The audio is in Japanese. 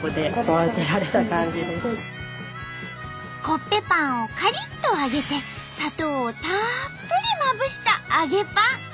コッペパンをカリッと揚げて砂糖をたっぷりまぶしたあげパン。